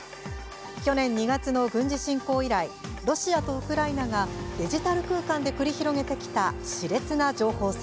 去年２月の軍事侵攻以来ロシアとウクライナがデジタル空間で繰り広げてきたしれつな情報戦。